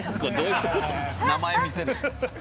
名前見せる。